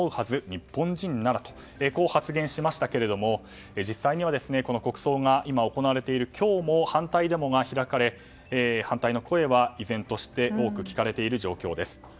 日本人ならと発言しましたが実際には国葬が行われている今日も反対デモが開かれ反対の声は依然として多く聞かれている状況です。